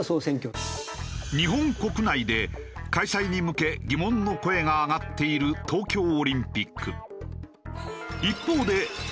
日本国内で開催に向け疑問の声が上がっている東京オリンピック。